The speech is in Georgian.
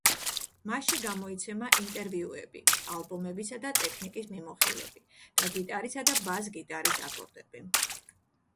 მასში გამოიცემა ინტერვიუები, ალბომებისა და ტექნიკის მიმოხილვები და გიტარისა და ბას გიტარის აკორდები.